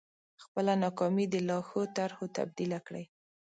خپله ناکامي د لا ښو طرحو تبديله کړئ.